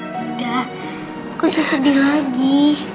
udah gue susah sedih lagi